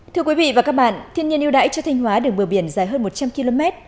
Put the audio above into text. thưa quý vị và các bạn thiên nhiên yêu đáy cho thanh hóa đường bờ biển dài hơn một trăm linh km